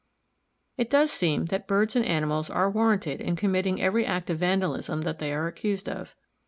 It does seem that birds and animals are warranted in committing every act of vandalism that they are accused of.